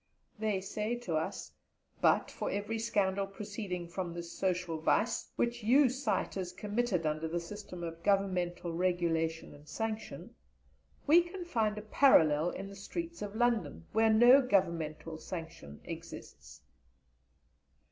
They say to us, "But for every scandal proceeding from this social vice, which you cite as committed under the system of Governmental Regulation and sanction, we can find a parallel in the streets of London, where no Governmental sanction exists."